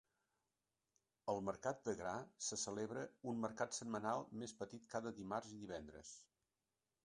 Al Mercat de Gra se celebra un mercat setmanal més petit cada dimarts i divendres.